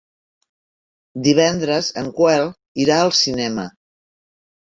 Divendres en Quel irà al cinema.